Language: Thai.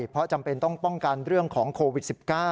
เพราะจำเป็นต้องป้องกันเรื่องของโควิด๑๙